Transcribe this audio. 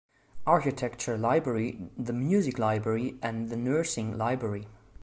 Architecture Library, the Music Library, and the Nursing Library.